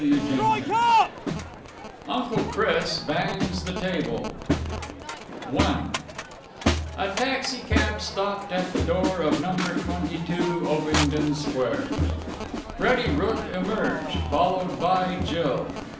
CHAPTER VI UNCLE CHRIS BANGS THE TABLE I A taxi cab stopped at the door of Number Twenty two, Ovingdon Square. Freddie Rooke emerged, followed by Jill.